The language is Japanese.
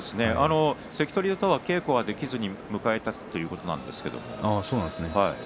関取と稽古ができず迎えたということなんですけども。